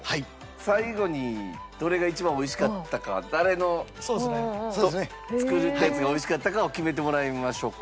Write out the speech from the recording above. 最後にどれが一番美味しかったか誰の作ったやつが美味しかったかを決めてもらいましょうか。